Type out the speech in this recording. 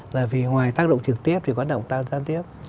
là vì ngoài tác động trực tiếp thì có động tác gian tiếp